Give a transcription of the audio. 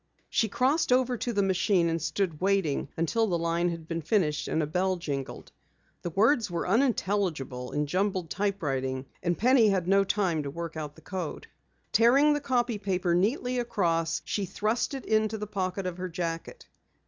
She crossed over to the machine and stood waiting until the line had been finished and a bell jingled. The words were unintelligible in jumbled typewriting, and Penny had no time to work out the code. Tearing the copy paper neatly across, she thrust it in the pocket of her jacket.